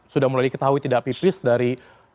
sudah mulai diketahui tidak pipis dari